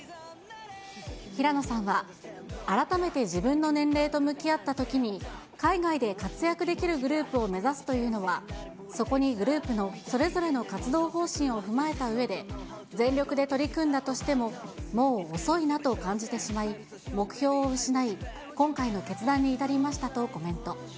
平野さんは、改めて自分の年齢と向き合ったときに、海外で活躍できるグループを目指すというのは、そこにグループのそれぞれの活動方針を踏まえたうえで、全力で取り組んだとしてももう遅いなと感じてしまい、目標を失い、今回の決断に至りましたとコメント。